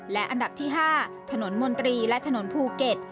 และอันดับที่๕ถนนมนตรีและถนนภูเก็ต